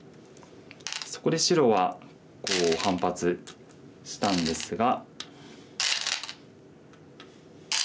そこで白は反発したんですが。